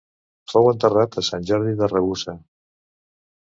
Fou enterrat a Sant Jordi de Ragusa.